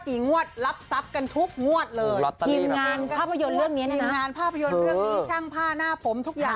กี่งวดรับทรัพย์กันทุกงวดเลยทีมงานภาพยนตร์เรื่องนี้ช่างผ้าหน้าผมทุกอย่าง